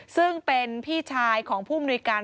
ซึ่งเป็นพี่ชายของผู้มนุยการ